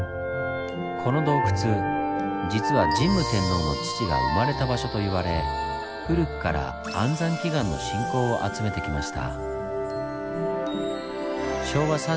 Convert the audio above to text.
この洞窟実は神武天皇の父が生まれた場所といわれ古くから安産祈願の信仰を集めてきました。